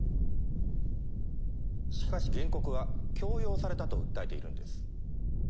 しかし原告は強要されたと訴えているんです。